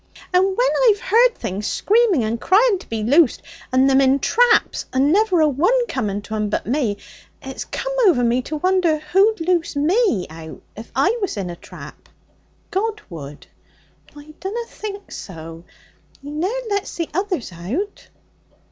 'And when I've heard things screaming and crying to be loosed, and them in traps, and never a one coming to 'em but me, it's come o'er me to won'er who'd loose me out if I was in a trap.' 'God would.' 'I dunna think so. He ne'er lets the others out.'